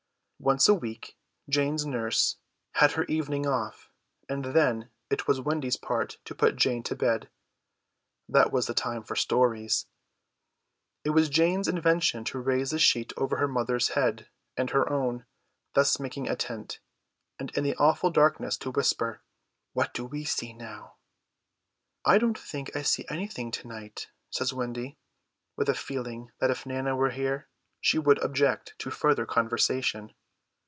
Once a week Jane's nurse had her evening off; and then it was Wendy's part to put Jane to bed. That was the time for stories. It was Jane's invention to raise the sheet over her mother's head and her own, thus making a tent, and in the awful darkness to whisper: "What do we see now?" "I don't think I see anything to night," says Wendy, with a feeling that if Nana were here she would object to further conversation.